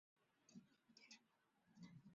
该物种的模式产地在西印度群岛。